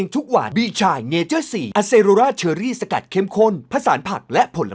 นี่คือโรยชาบที่มือลูกสาวของพระนอมเองค่ะ